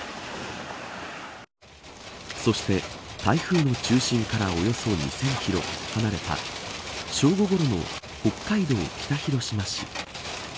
そして台風の中心からおよそ２０００キロ離れた正午ごろの北海道北広島市。